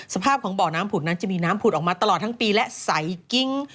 สภาพของบ่อน้ำผุดนั้นจะมีน้ำผุดออกมาตลอดทั้งปีและใสกิ้ง